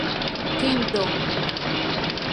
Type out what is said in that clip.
Wilson defeated Catchings in the general election.